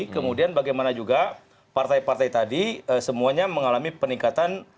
kemudian bagaimana juga partai partai tadi semuanya mengalami peningkatan